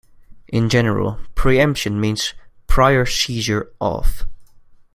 In general, preemption means "prior seizure of".